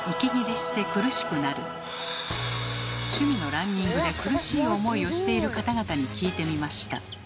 趣味のランニングで苦しい思いをしている方々に聞いてみました。